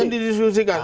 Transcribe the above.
siapa yang didiskusikan